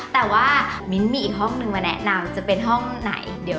แต่ว่ามิ้นมีห้องแนะนำจะเป็นห้องไหน